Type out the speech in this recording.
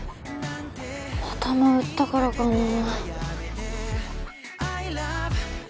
頭打ったからかなあ